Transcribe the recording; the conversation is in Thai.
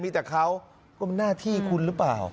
มีแต่เขาก็มันหน้าที่คุณหรือเปล่า